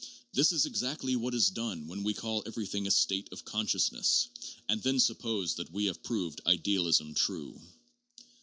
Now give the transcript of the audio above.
This is exactly what is done when we call everything 'a state of consciousness,' and then suppose that we have proved idealism true.